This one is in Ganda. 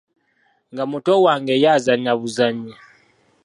Nga muto wange ye azannya buzannyi?